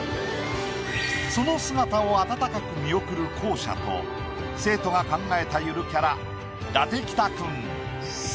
その姿を温かく見送る校舎と生徒が考えたゆるキャラ館北くん。